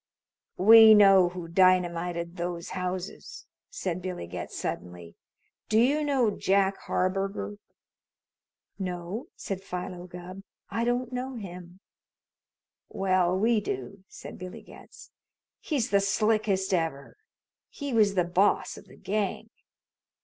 "We know who dynamited those houses!" said Billy Getz suddenly. "Do you know Jack Harburger?" "No," said Philo Gubb. "I don't know him." "Well, we do," said Billy Getz. "He's the slickest ever. He was the boss of the gang.